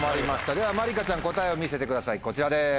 ではまりかちゃん答えを見せてくださいこちらです。